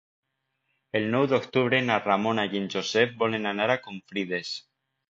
El nou d'octubre na Ramona i en Josep volen anar a Confrides.